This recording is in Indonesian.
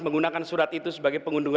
menggunakan surat itu sebagai pengunduran